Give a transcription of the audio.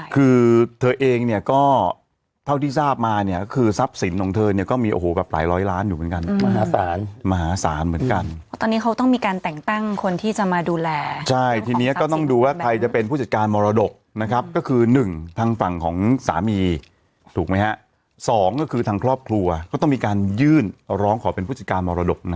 คือเธอเองเนี่ยก็เท่าที่ทราบมาเนี่ยคือทรัพย์สินของเธอเนี่ยก็มีโอ้โหแบบหลายร้อยล้านอยู่เหมือนกันมหาศาลมหาศาลเหมือนกันตอนนี้เขาต้องมีการแต่งตั้งคนที่จะมาดูแลใช่ทีนี้ก็ต้องดูว่าใครจะเป็นผู้จัดการมรดกนะครับก็คือหนึ่งทางฝั่งของสามีถูกไหมฮะสองก็คือทางครอบครัวก็ต้องมีการยื่นร้องขอเป็นผู้จัดการมรดกนะ